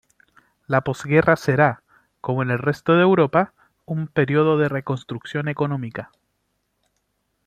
La posguerra será, como en el resto de Europa, un período de reconstrucción económica.